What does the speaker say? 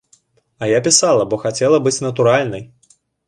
А я пісала, бо хацела быць натуральнай.